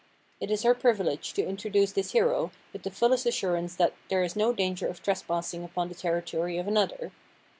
It is her privilege to introduce this hero with the fullest assurance that there is no danger of trespassing upon the territory of another.